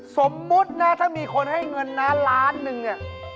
สมมุตินะถ้ามีคนให้เงินนะล้านหนึ่งเนี่ย